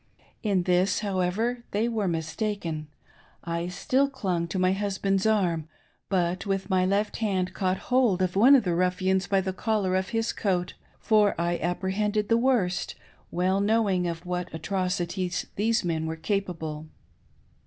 In this, however, they were mis taken. I still clung to my husband's arm, but with my left hand caught hold of one of the ruffians by the collar of his coat ; for I apprehended the worst, well knowing of what atrocities these men were capable.